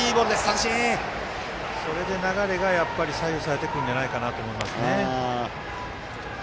それで、流れが左右されてくるんじゃないかなと思いますね。